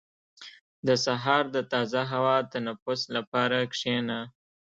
• د سهار د تازه هوا تنفس لپاره کښېنه.